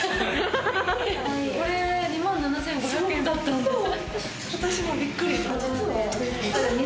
これ２万７５００円だったん私もびっくり。